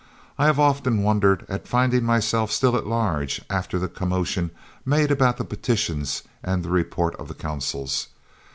I have often wondered at finding myself still at large after the commotion made about the petitions and the report of the Consuls.